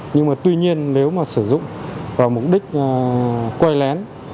nhưng mà tuy nhiên nếu mà sử dụng vào mục đích quay lén